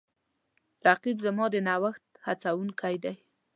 رقیب زما د نوښت هڅونکی دی